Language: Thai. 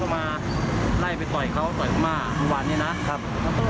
ไข้เขาเข้ามันแล้วจะขอตั้งเขา